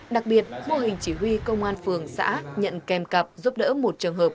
đặc biệt mô hình chỉ huy công an phường xã nhận kèm cặp giúp đỡ một trường hợp